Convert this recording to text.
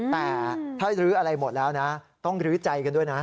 แต่ถ้ารื้ออะไรหมดแล้วนะต้องลื้อใจกันด้วยนะ